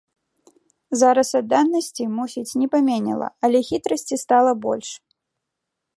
Зараз адданасці, мусіць, не паменела, але хітрасці стала больш.